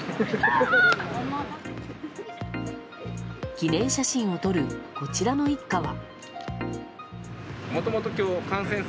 記念写真を撮るこちらの一家は。